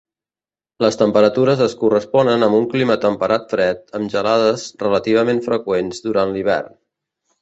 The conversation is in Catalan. Les temperatures es corresponen amb un clima temperat fred amb gelades relativament freqüents durant l’hivern.